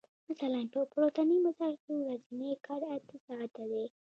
مثلاً په پورتني مثال کې ورځنی کار اته ساعته دی